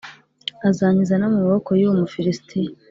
azankiza no mu maboko y’uwo Mufilisitiya.